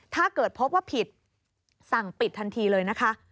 ถ้าเกิดพบว่าผิดสั่งปิดทันทีเลยนะคะ